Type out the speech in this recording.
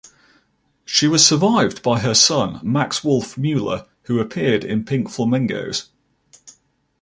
She was survived by her son, Max Wolfe Mueller, who appeared in "Pink Flamingos".